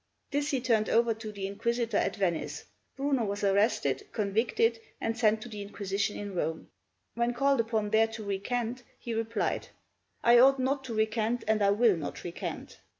This he turned over to the Inquisitor at Venice, Bruno was arrested, convicted, and sent to the Inquisition in Rome. When called upon there to recant, he replied, "I ought not to recant, and I will not recant."